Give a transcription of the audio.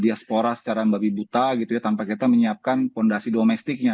diaspora secara babi buta gitu ya tanpa kita menyiapkan fondasi domestiknya